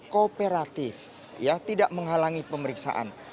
kooperatif tidak menghalangi pemeriksaan